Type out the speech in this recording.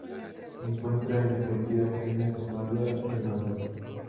Se encuentra en Etiopía, Kenia, Somalia y Uganda.